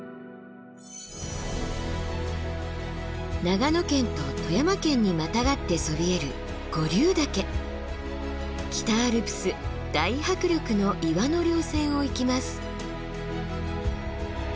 長野県と富山県にまたがってそびえる北アルプス大迫力の岩の稜線を行きます。